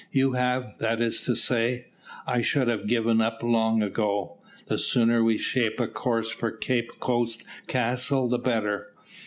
You have, that is to say I should have given up long ago. The sooner we shape a course for Cape Coast Castle the better."